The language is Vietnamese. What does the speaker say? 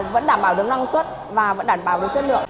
vẫn đảm bảo được năng suất và vẫn đảm bảo được chất lượng